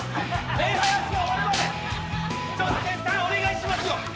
お願いしますよ！